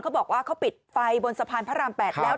เขาบอกว่าเขาปิดไฟบนสะพานพระราม๘แล้ว